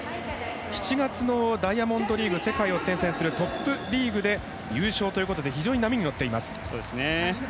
７月のダイヤモンドリーグ世界のトップリーグで優勝ということで非常に波に乗っています。